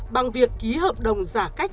bằng việc ký hợp đồng giả cách